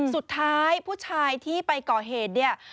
สุดท้ายผู้ชายที่ไปก่อเหตุเนี่ย